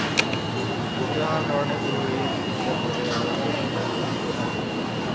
মূর্তি ভাঙ্গার কারণে পুরোহিত চিৎকার করে আর দাসীরা সুর তুলে কাঁদতে থাকে।